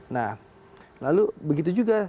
nah lalu begitu juga